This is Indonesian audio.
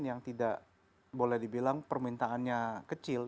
yang tidak boleh dibilang permintaannya kecil